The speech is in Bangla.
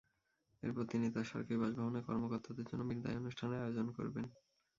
এরপর তিনি তাঁর সরকারি বাসভবনে কর্মকর্তাদের জন্য বিদায় অনুষ্ঠানের আয়োজন করবেন।